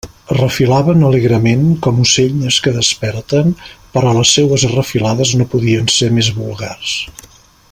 Refilaven alegrement, com ocells que desperten, però les seues refilades no podien ser més vulgars.